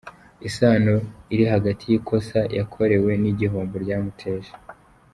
Isano iri hagati y’ikosa yakorewe n’igihombo ryamuteje.